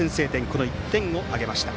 この１点を挙げました。